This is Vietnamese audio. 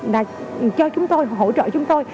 là cho chúng tôi hỗ trợ chúng tôi